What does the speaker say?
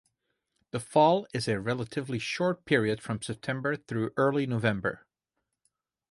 The fall is a relatively short period from September through early November.